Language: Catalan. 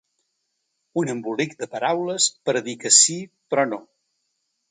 Un embolic de paraules per a dir que sí però no.